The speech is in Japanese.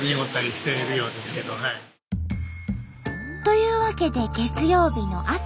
というわけで月曜日の朝。